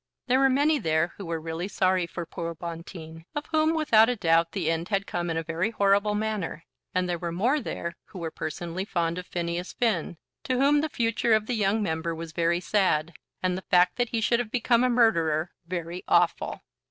There were many there who were really sorry for poor Bonteen, of whom without a doubt the end had come in a very horrible manner; and there were more there who were personally fond of Phineas Finn, to whom the future of the young member was very sad, and the fact that he should have become a murderer very awful.